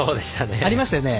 ありましたよね。